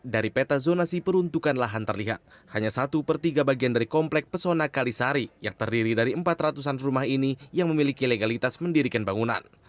dari peta zonasi peruntukan lahan terlihat hanya satu per tiga bagian dari komplek pesona kalisari yang terdiri dari empat ratus an rumah ini yang memiliki legalitas mendirikan bangunan